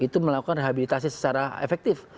itu melakukan rehabilitasi secara efektif